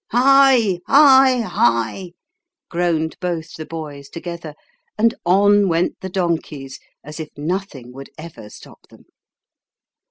" Hi hi hi !" groaned both the boys together ; and on went the donkeys as if nothing would ever stop them.